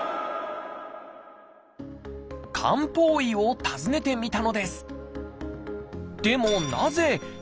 漢方医を訪ねてみたのです。